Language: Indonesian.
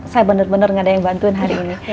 saya benar benar nggak ada yang bantuin hari ini